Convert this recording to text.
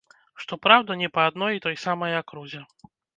Што праўда, не па адной і той самай акрузе.